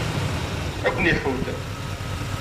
Ad ken-iḥudd.